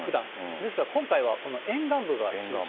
ですから今回は、この沿岸部が中心。